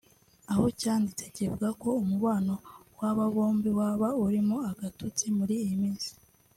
aho cyanditse kivuga ko umubano w’aba bombi waba urimo agatotsi muri iyi minsi